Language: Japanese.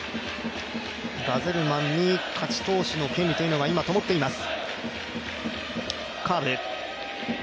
ガゼルマンに勝ち投手の権利は今ともっています。